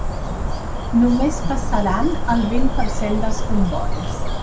Només passaran el vint per cent dels combois.